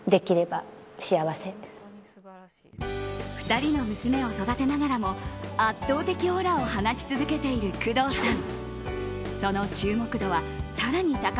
２人の娘を育てながらも圧倒的オーラを放ち続けている工藤さん。